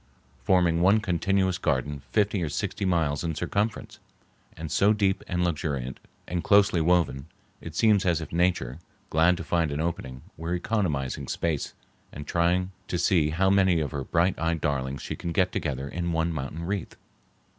forming one continuous garden fifty or sixty miles in circumference, and so deep and luxuriant and closely woven it seems as if Nature, glad to find an opening, were economizing space and trying to see how may of her bright eyed darlings she can get together in one mountain wreath.